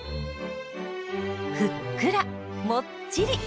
ふっくらもっちり！